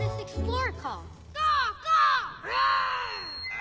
あ！